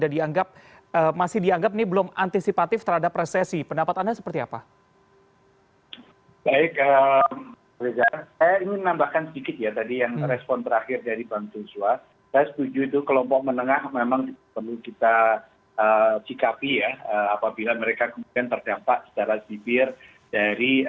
kasihan indonesia newsroom akan segera kembali